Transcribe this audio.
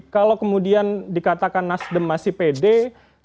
kalau kemudian dikatakan nasdem masih pede